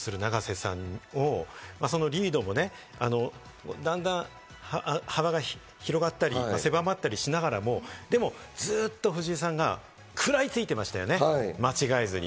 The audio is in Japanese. そのリードもね、段々、幅が広がったり狭まったりしながらもでもずっと藤井さんが食らいついてましたよね、間違えずに。